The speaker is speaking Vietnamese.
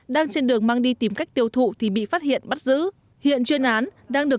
đang trên đường mang đi tìm cách tiêu thụ thì bị phát hiện bắt giữ hiện chuyên án đang được